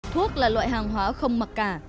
thuốc là loại hàng hóa không mặc cả